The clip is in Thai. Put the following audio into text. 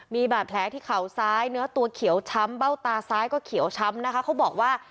มีบาดแผลที่เข่าซ้ายเนื้อตัวเขียวช้ำเบ้าตาซ้ายก็เขียวช้ำนะคะเขาบอกว่า